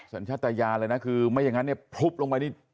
สัญชาตยานเลยนะคือไม่อย่างนั้นเนี่ยพลุบลงไปนี่